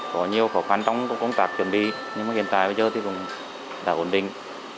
có nhiều khó khăn trong công tác chuẩn bị nhưng mà hiện tại bây giờ thì cũng đã ổn định